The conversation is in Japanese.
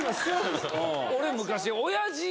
俺昔。